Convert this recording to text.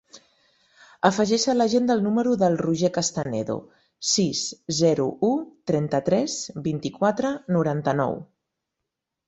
Afegeix a l'agenda el número del Roger Castanedo: sis, zero, u, trenta-tres, vint-i-quatre, noranta-nou.